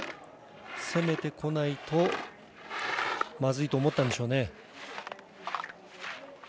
攻めてこないとまずいと思ったんでしょうね。